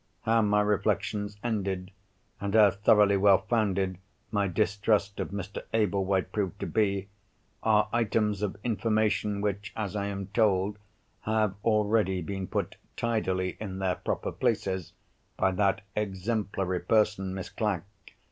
How my reflections ended, and how thoroughly well founded my distrust of Mr. Ablewhite proved to be, are items of information which (as I am told) have already been put tidily in their proper places, by that exemplary person, Miss Clack.